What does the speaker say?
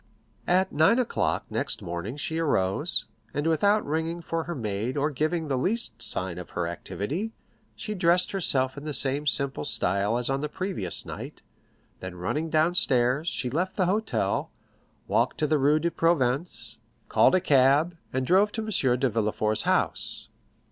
At nine o'clock next morning she arose, and without ringing for her maid or giving the least sign of her activity, she dressed herself in the same simple style as on the previous night; then running downstairs, she left the hotel, walked to the Rue de Provence, called a cab, and drove to M. de Villefort's house.